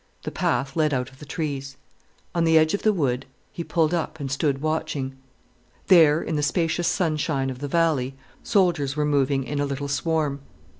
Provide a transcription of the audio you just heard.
The path led out of the trees. On the edge of the wood he pulled up and stood watching. There in the spacious sunshine of the valley soldiers were moving in a little swarm.